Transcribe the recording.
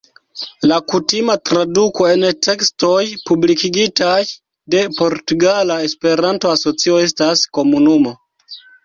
La kutima traduko en tekstoj publikigitaj de Portugala Esperanto-Asocio estas "komunumo".